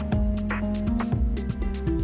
tante ini sudah beres